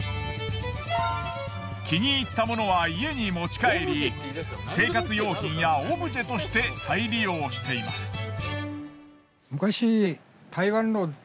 気に入ったものは家に持ち帰り生活用品やオブジェとして再利用しています。